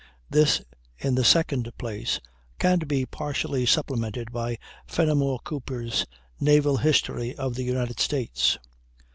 This, in the second place, can be partially supplemented by Fenimore Cooper's "Naval History of the United States."